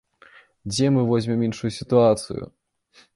Дзе мы возьмем іншую сітуацыю?